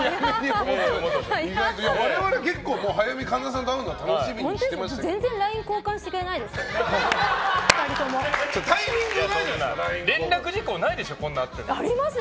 我々は結構早めに神田さんと会うの楽しみにしてましたよ。